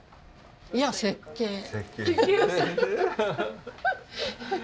いや設計ね。